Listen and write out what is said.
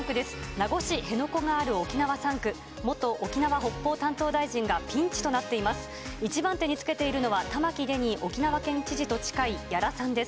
名護市辺野古がある沖縄３区、元沖縄・北方担当大臣がピンチとなっています。